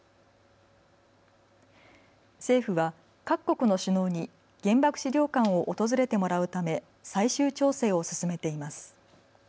政府は各国の首脳に原爆資料館を訪れてもらうため最終調整を進めています。